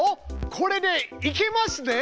これでいけますね。